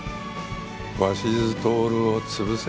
鷲津亨を潰せ。